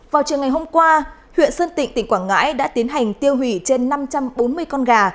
vào chiều ngày hôm qua huyện sơn tịnh tỉnh quảng ngãi đã tiến hành tiêu hủy trên năm trăm bốn mươi con gà